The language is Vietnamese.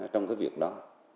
trong cái việc đó